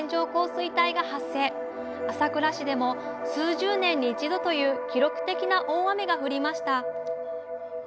朝倉市でも数十年に一度という記録的な大雨が降りました